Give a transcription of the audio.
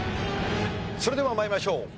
それでは参りましょう。